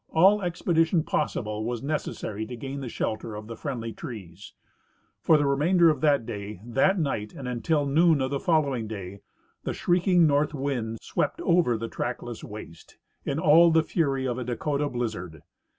All expedition possible was necessary to gain the shelter of the friendly trees. For the remainder of that day, that night, and until noon of the fol lowing day the shrieking north wind swept over the trackless wastes in all the fury of a Dakota blizzard.